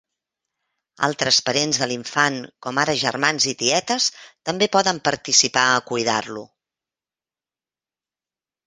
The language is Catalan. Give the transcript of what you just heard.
Altres parents de l'infant, com ara germans i tietes, també poden participar a cuidar-lo.